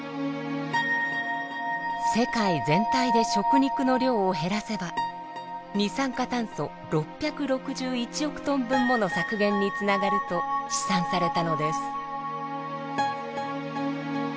世界全体で食肉の量を減らせば二酸化炭素６６１億トン分もの削減につながると試算されたのです。